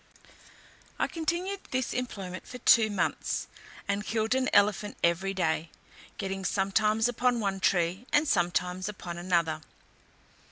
I continued this employment for two months, and killed an elephant every day, getting sometimes upon one tree, and sometimes upon another.